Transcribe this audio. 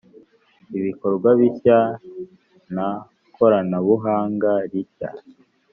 Ibikorwa bishya n koranabuhanga rishya